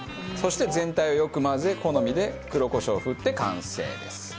そして全体をよく混ぜ好みで黒コショウを振って完成です。